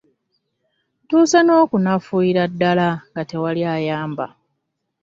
Ntuuse n'okunafuuyira ddala nga tewali ayamba.